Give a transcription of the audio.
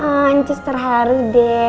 ancus terharu deh